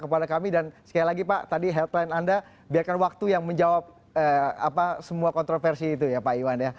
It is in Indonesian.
kepada kami dan sekali lagi pak tadi headline anda biarkan waktu yang menjawab semua kontroversi itu ya pak iwan ya